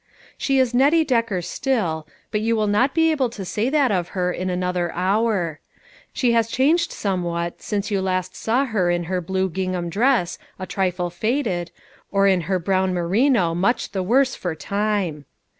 She is Nettie Decker still, but you will not be able to say that of her in another hour. She has changed somewhat since you last saw her in her blue gingham dress a trifle faded, or in her brown merino much the worse for time.